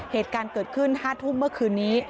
เหตุการณ์เกิดขึ้น๕ทุ่มเมื่อคืนนี้